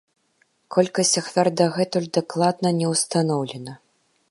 Колькасць ахвяр дагэтуль дакладна не ўстаноўлена.